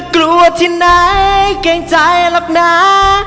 กลัวที่ไหนเกรงใจหรอกนะ